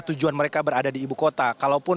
tujuan mereka berada di ibu kota kalaupun